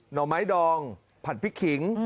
ห่อไม้ดองผัดพริกขิง